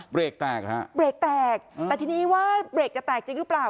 เบรกแตกฮะเบรกแตกแต่ทีนี้ว่าเบรกจะแตกจริงหรือเปล่า